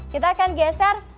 kita akan geser